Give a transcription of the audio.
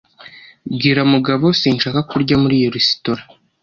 Bwira Mugabo sinshaka kurya muri iyo resitora.